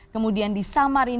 kemudian di samarang